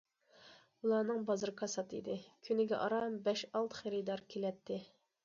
ئۇلارنىڭ بازىرى كاسات ئىدى، كۈنىگە ئاران بەش ئالتە خېرىدار كېلەتتى.